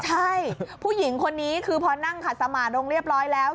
ใช่ผู้หญิงคนนี้คือพอนั่งขัดสมานลงเรียบร้อยแล้ว